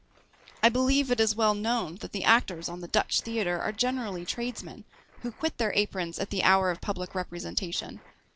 I believe it is well known that the actors on the Dutch theatre are generally tradesmen, who quit their aprons at the hour of public representation.